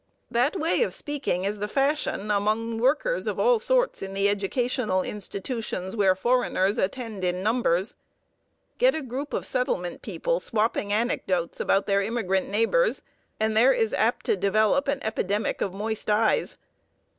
That way of speaking is the fashion among workers of all sorts in the educational institutions where foreigners attend in numbers. Get a group of settlement people swapping anecdotes about their immigrant neighbors, and there is apt to develop an epidemic of moist eyes.